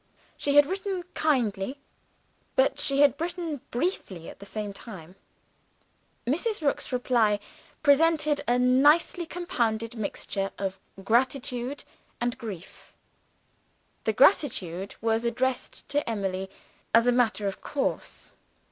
She had written kindly but she had written briefly at the same time. Mrs. Rook's reply presented a nicely compounded mixture of gratitude and grief. The gratitude was addressed to Emily as a matter of course.